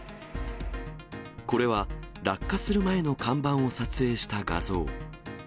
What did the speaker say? これは、落下する前の看板を撮影した画像。